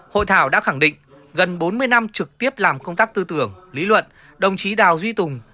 hội thảo đã khẳng định gần bốn mươi năm trực tiếp làm công tác tư tưởng lý luận đồng chí đào duy tùng